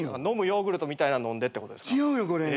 飲むヨーグルトみたいなん飲んでってことですか？